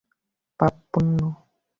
পাপ, পুণ্য!